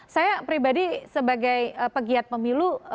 saya pribadi sebagai pegiat pemilu